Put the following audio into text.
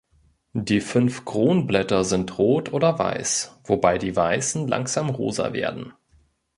Die fünf Kronblätter sind rot oder weiß, wobei die weißen langsam rosa werden.